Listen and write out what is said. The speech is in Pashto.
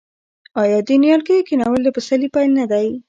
آیا د نیالګیو کینول د پسرلي پیل نه دی؟